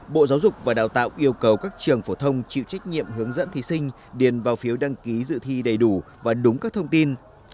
bộ giáo dục và đào tạo yêu cầu các trường phổ thông chịu trách nhiệm hướng dẫn thí sinh điền vào phiếu đăng ký dự thi đầy đủ và đúng các thông tin